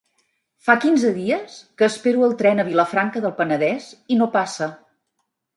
Fa quinze dies que espero el tren a Vilafranca del Penedès i no passa.